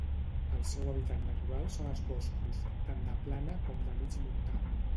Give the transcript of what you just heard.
El seu hàbitat natural són els boscos, tant de plana com de mig montà.